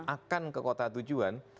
akan ke kota tujuan